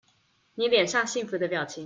妳臉上幸福的表情